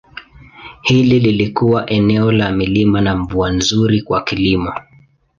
Hili lilikuwa eneo la milima na mvua nzuri kwa kilimo.